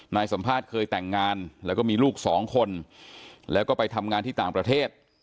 นายสัมภาษณ์เคยแต่งงานแล้วก็มีลูกสองคนแล้วก็ไปทำงานที่ต่างประเทศ